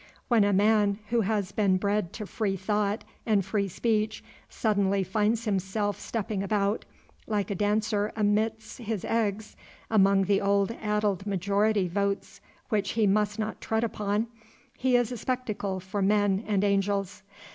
When a man who has been bred to free thought and free speech suddenly finds himself stepping about, like a dancer amidst his eggs, among the old addled majority votes which he must not tread upon, he is a spectacle for men and angels.